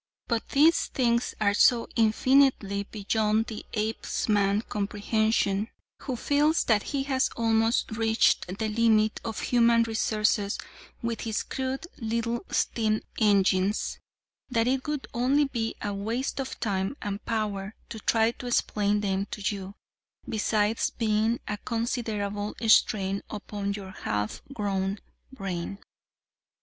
But these things are so infinitely beyond the Apeman's comprehension, who feels that he has almost reached the limit of human resources with his crude little steam engines, that it would only be a waste of time and power to try and explain them to you, besides being a considerable strain upon your half grown brain."